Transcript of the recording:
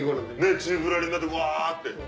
中ぶらりんになってうわって。